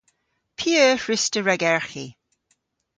P'eur hwruss'ta ragerghi?